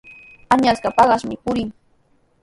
Añasqa paqaspami purin.